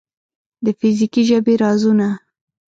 د فزیکي ژبې رازونه